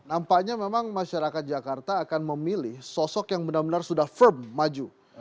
nampaknya memang masyarakat jakarta akan memilih sosok yang benar benar sudah firm maju